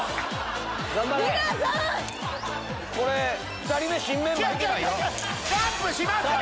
２人目新メンバー行けないよ。